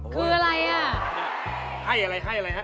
คืออะไรน่ะให้อะไรครับ